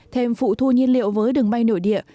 thêm phụ thu nhiên liệu với đường bay nội địa